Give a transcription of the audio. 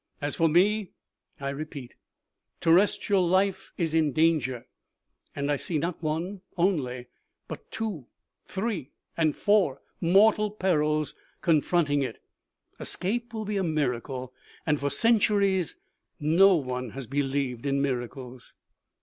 As for me, I repeat, terrestrial life is in danger, and I see not one only, but two, three and four mortal perils confronting it. Escape will be a miracle, and for centuries no one has believed in miracles."